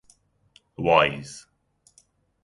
Wise.